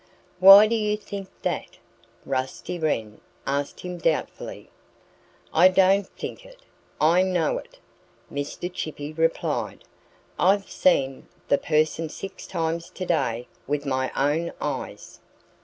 "Why do you think that?" Rusty Wren asked him doubtfully. "I don't think it. I know it!" Mr. Chippy replied. "I've seen the person six times to day with my own eyes."